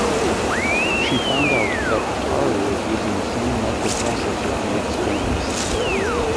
She found out that Atari was using the same microprocessor in its games.